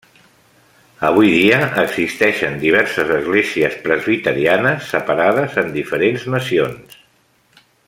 Avui dia existeixen diverses esglésies presbiterianes separades en diferents nacions.